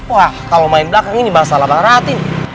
wah kalau main belakang ini masalah banget hati nih